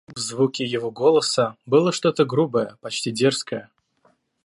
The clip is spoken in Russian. В звуке его голоса было что-то грубое, почти дерзкое.